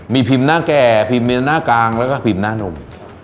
มีพิมพ์หน้าแก่พิมพ์มีหน้ากลางแล้วก็พิมพ์หน้านุ่ม